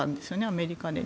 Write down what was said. アメリカで。